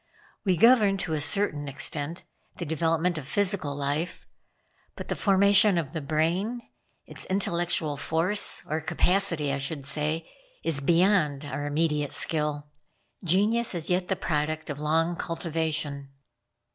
We govern to a certain extent the development of physical life; but the formation of the brain its intellectual force, or capacity I should say is beyond our immediate skill. Genius is yet the product of long cultivation."